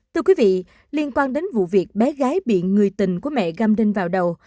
thưa quý vị liên quan đến vụ việc bé gái bị người tình của mẹ găm đinh vào đầu